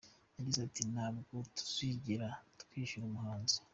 Yagize ati “Ntabwo tuzigera twishyura umuhanzi.